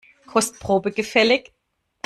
Kostprobe gefällig?